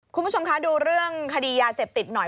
คุณผู้ชมคะดูเรื่องคดียาเสพติดหน่อย